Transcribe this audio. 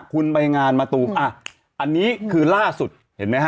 คุณไปงานมะตูมอ่ะอันนี้คือล่าสุดเห็นไหมฮ